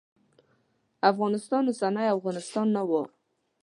افغانستان اوسنی افغانستان نه و.